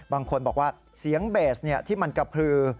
บางคนบอกว่าเสียงเบสที่มันกระพือ